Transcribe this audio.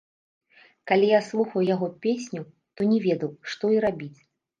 Калі я слухаў яго песню, то не ведаў, што і рабіць.